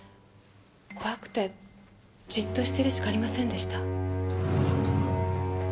怖くてじっとしてるしかありませんでした。